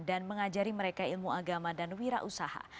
dan mengajari mereka ilmu agama dan wira usaha